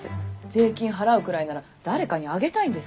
税金払うくらいなら誰かにあげたいんですね。